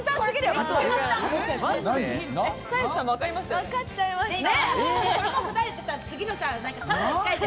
わかっちゃいました。